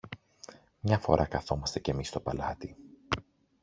Μια φορά καθόμαστε κι εμείς στο παλάτι.